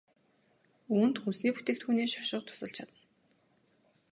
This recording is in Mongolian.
Үүнд хүнсний бүтээгдэхүүний шошго тусалж чадна.